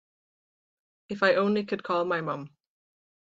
If I only could call my mom.